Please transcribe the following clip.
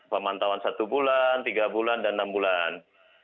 pemantauan satu bulan tiga bulan dan enam bulan